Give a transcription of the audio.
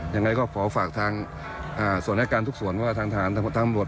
ยังไงก็ขอฝากทางอ่าส่วนแรกการทุกส่วนว่าทางทางทางมรวด